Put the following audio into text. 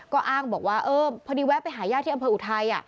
ก็อ้างบอกว่าเออพอดีแวะไปหาญาติที่อำเภออุทัย